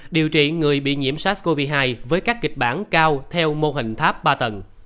điều trị người bị nhiễm sars cov hai với các kịch bản cao theo mô hình tháp ba tầng